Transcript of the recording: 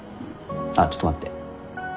あっちょっと待って。